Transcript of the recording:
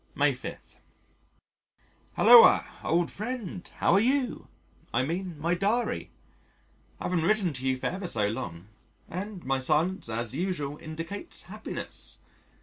May 5. Hulloa, old friend: how are you? I mean my Diary. I haven't written to you for ever so long, and my silence as usual indicates happiness.